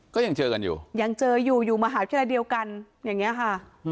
ก็ยังเจอกันอยู่ยังเจออยู่อยู่มหาวิทยาลัยเดียวกันอย่างนี้ค่ะ